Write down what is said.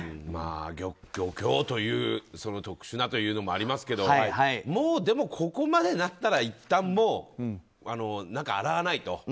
漁協という特殊なというのもありますけどもう、でもここまでなったらいったん洗わないと。